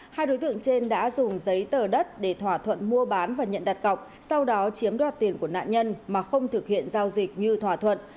hai đối tượng trên đã dùng giấy tờ đất để thỏa thuận mua bán và nhận đặt cọc sau đó chiếm đoạt tiền của nạn nhân mà không thực hiện giao dịch như thỏa thuận